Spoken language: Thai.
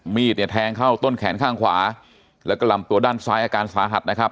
มีดเนี่ยแทงเข้าต้นแขนข้างขวาแล้วก็ลำตัวด้านซ้ายอาการสาหัสนะครับ